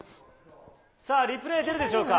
リプレー出るでしょうか。